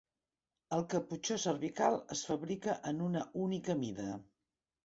El caputxó cervical es fabrica en una única mida.